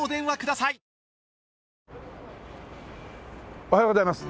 おはようございます。